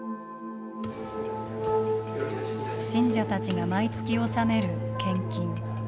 信者たちが毎月納める献金。